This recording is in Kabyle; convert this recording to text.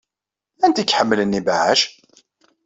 Anta ay iḥemmlen ibeɛɛac?